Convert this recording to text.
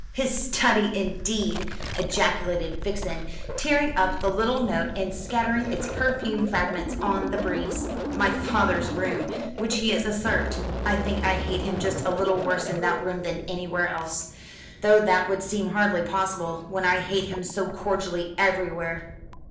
"His study, indeed!" ejaculated Vixen, tearing up the little note and scattering its perfumed fragments on the breeze; "my father's room, which he has usurped. I think I hate him just a little worse in that room than anywhere else though that would seem hardly possible, when I hate him so cordially everywhere."